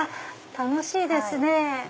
楽しいですね。